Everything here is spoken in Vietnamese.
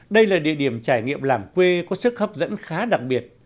đây là địa điểm trải nghiệm làng quê có sức hấp dẫn khá đặc biệt